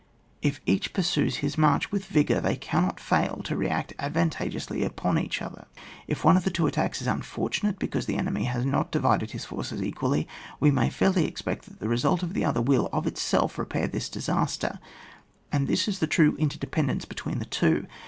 If each pursues his march with vigour, they cannot fail to react advantageously upon each other. If one of the two attacks is unfortunate be cause the enemy has not divided his force equally, we may fairly expect that the residt of the other will of itself re pair this disaster, and this is the true interdependence between the two.